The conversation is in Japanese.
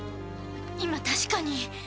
今確かに。